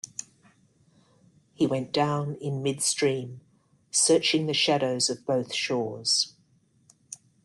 He went down in midstream, searching the shadows of both shores.